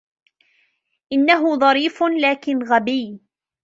إنهُ ظريف, ولكن غبي.